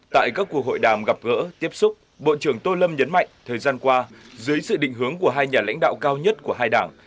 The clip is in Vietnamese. tại các cuộc hội đàm gặp gỡ tiếp xúc bộ trưởng tô lâm nhấn mạnh thời gian qua dưới sự định hướng của hai nhà lãnh đạo cao nhất của hai đảng